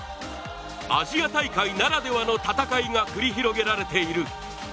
アジア大会ならではの戦いが繰り広げられている。